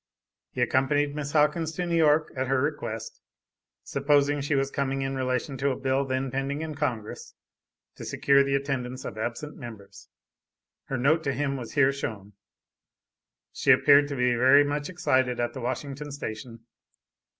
He accompanied Miss Hawkins to New York at her request, supposing she was coming in relation to a bill then pending in Congress, to secure the attendance of absent members. Her note to him was here shown. She appeared to be very much excited at the Washington station.